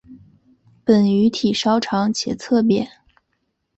本鱼体稍长且侧扁。